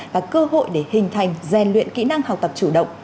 và cơ hội để hình thành rèn luyện kỹ năng học tập chủ động